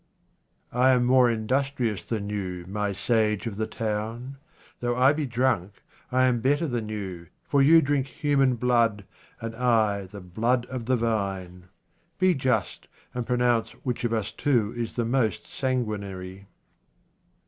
1 am more industrious than you, my sage of the town. Though I be drunk, I am better than you, for you drink human blood, and I the blood of the vine. Be just, and pronounce which of us two is the most sanguinary.